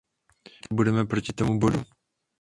Proto budeme proti tomuto bodu.